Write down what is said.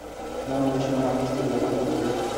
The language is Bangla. মারামারির সময় হকিস্টিক ব্যবহার করত।